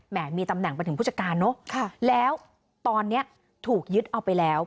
มีตำแหน่งไปถึงผู้จัดการเนอะแล้วตอนนี้ถูกยึดเอาไปแล้ว